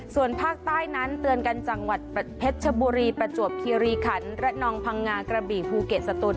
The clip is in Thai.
ส่วนภาคใต้นั้นเตือนกันจังหวัดเพชรชบุรีประจวบคีรีขันระนองพังงากระบี่ภูเก็ตสตูน